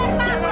kurang ajar ma